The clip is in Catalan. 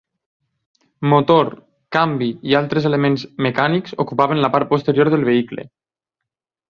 Motor, canvi i altres elements mecànics ocupaven la part posterior del vehicle.